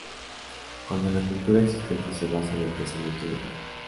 Cuando la cultura existente se basa en el pensamiento grupal.